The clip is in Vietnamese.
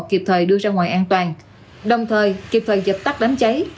kịp thời đưa ra ngoài an toàn đồng thời kịp thời dập tắt đám cháy